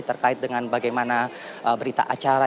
terkait dengan bagaimana berita acara